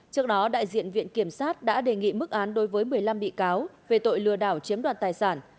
trước đó đại diện viện kiểm sát đã đề nghị mức án đối với một mươi năm bị cáo về tội lừa đảo chiếm đoạt tài sản